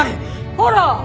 ほら！